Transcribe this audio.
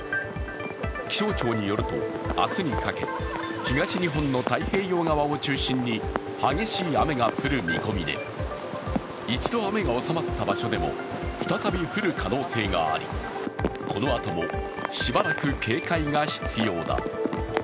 気象庁によると、明日にかけ、東日本の太平洋側を中心に激しい雨が降る見込みで一度、雨が収まった場所でも再び降る可能性がありこのあともしばらく警戒が必要だ。